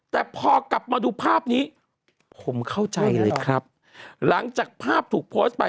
แต่พอกลับมาดูภาพนี้ผมเข้าใจเลยครับหลังจากภาพถูกโพสต์ไป